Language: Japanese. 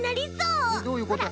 えっどういうこと？